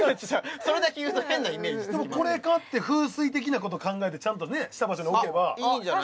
それだけ言うと変なイメージつきますでもこれ買って風水的なこと考えてちゃんとした場所に置けばあっいいんじゃない？